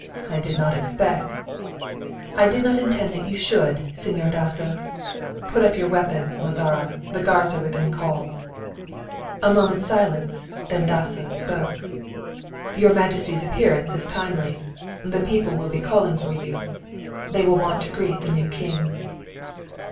"I did not expect " "I did not intend that you should, Señor Dasso. Put up your weapon, Mozara, the guards are within call." A moment's silence, then Dasso spoke. "Your Majesty's appearance is timely. The people will be calling for you. They will want to greet the new king."